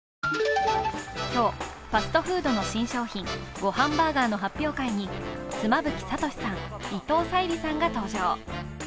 今日、ファストフードの新商品ごはんバーガーの発表会に妻夫木聡さん、伊藤沙莉さんが登場。